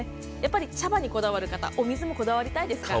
茶葉にこだわる方お水にもこだわりたいですよね。